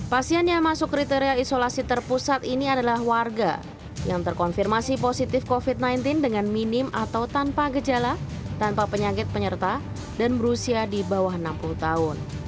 pasien yang masuk kriteria isolasi terpusat ini adalah warga yang terkonfirmasi positif covid sembilan belas dengan minim atau tanpa gejala tanpa penyakit penyerta dan berusia di bawah enam puluh tahun